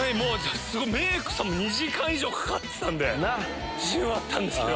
メイクさんも２時間以上かかってたんで自信はあったんですけど。